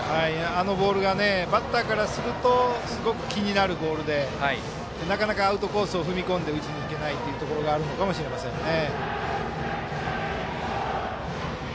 あのボールがバッターからするとすごく気になるボールでなかなかアウトコースを踏み込んで打ちにいけないのがあるのかもしれませんね。